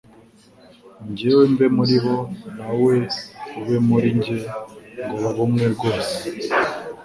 Jyewe mbe muri bo, nawe ube muri njye: ngo babe umwe rwose,